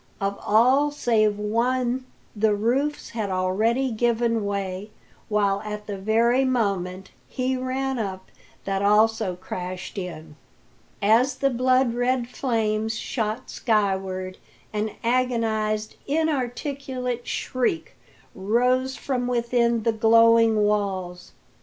Of all save one the roofs had already given way, while at the very moment he ran up that also crashed in. As the blood red flames shot skyward, an agonised, inarticulate shriek rose from within the glowing walls.